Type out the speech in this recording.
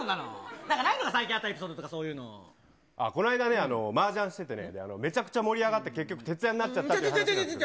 なんかないのか、最近あったエピこの間ね、マージャンしててね、めちゃくちゃ盛り上がって、結局、徹夜になっちゃったことがあるんですよ。